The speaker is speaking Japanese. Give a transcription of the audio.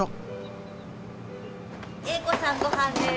エイ子さんごはんです。